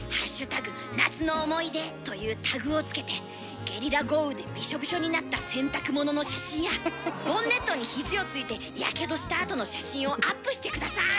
「＃夏の思い出」というタグを付けてゲリラ豪雨でびしょびしょになった洗濯物の写真やボンネットに肘をついてやけどした痕の写真をアップして下さい！